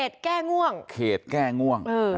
เหตุแก้ง่วง